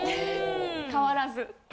変わらず。